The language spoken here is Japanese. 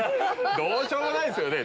どうしよもないですよね